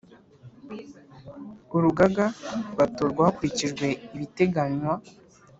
Urugaga batorwa hakurikijwe ibiteganywa